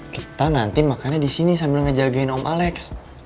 kita nanti makannya di sini sambil ngejagain om alex